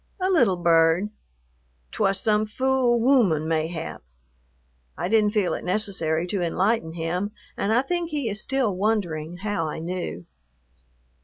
"A little bird." "'T was some fool wooman, mayhap." I didn't feel it necessary to enlighten him, and I think he is still wondering how I knew.